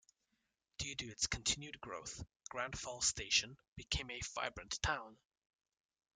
Due to its continued growth, Grand Falls Station became a vibrant town.